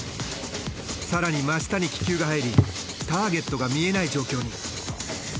更に真下に気球が入りターゲットが見えない状況に。